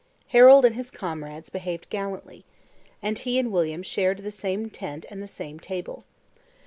Harold and his comrades behaved gallantly: and he and William shared the same tent and the same table.